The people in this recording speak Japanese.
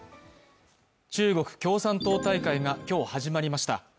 中国共産党大会が今日始まりました。